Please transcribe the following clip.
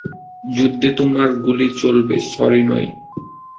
যুদ্ধে তোমার গুলি চলবে, স্যরি নয়।